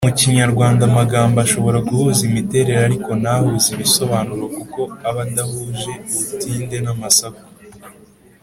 Mu kinyarwanda amagambo ashobora guhuza imiterere ariko ntahuze ibisobanuro kuko abadahuje ubutinde n’amasaku.